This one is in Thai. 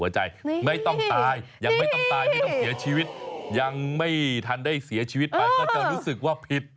ชีวิตยังไม่ทันได้เสียชีวิตไปก็จะรู้สึกว่าผิด